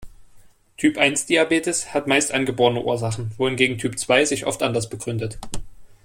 Typ-eins-Diabetes hat meist angeborene Ursachen, wohingegen Typ zwei sich oft anders begründet.